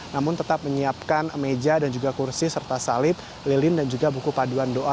namun tetap menyiapkan meja dan juga kursi serta salib lilin dan juga buku paduan doa